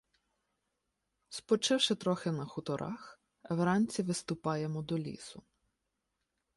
Спочивши трохи на хуторах, вранці виступаємо до лісу.